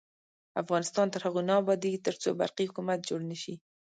افغانستان تر هغو نه ابادیږي، ترڅو برقی حکومت جوړ نشي.